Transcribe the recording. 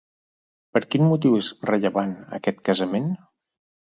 Per quin motiu és rellevant aquest casament?